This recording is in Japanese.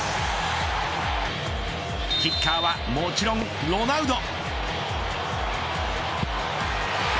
キッカーはもちろんロナウド。